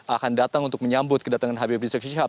akan datang untuk menyambut kedatangan habib rizik sihab